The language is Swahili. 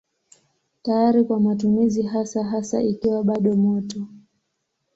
Tayari kwa matumizi hasa hasa ikiwa bado moto.